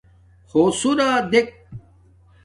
ہݸسُرݳ دݵک.